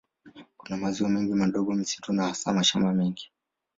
Kuna maziwa mengi madogo, misitu na hasa mashamba mengi.